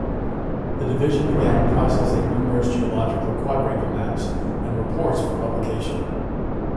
The Division began processing numerous geological quadrangle maps and reports for publication.